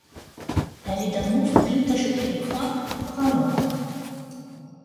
Elle est d'un mauve-gris tachetée de points brun-noir.